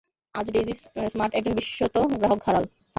আজ Daisy Mart একজন বিশ্বত গ্রাহক হারাল।